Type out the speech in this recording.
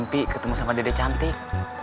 mimpi ketemu sama dede cantik